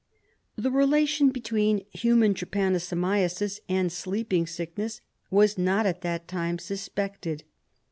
The relation between human trypanosomiasis and sleep ing sickness was not at that time suspected.